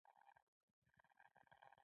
څوک چې دغه ډیزاین ملاتړ کوي.